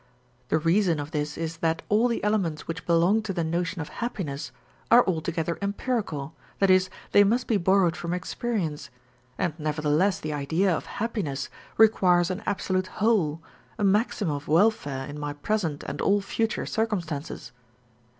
The reason of this is that all the elements which belong to the notion of happiness are altogether empirical, i.e., they must be borrowed from experience, and nevertheless the idea of happiness requires an absolute whole, a maximum of welfare in my present and all future circumstances.